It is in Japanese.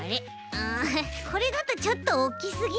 うんこれだとちょっとおっきすぎる？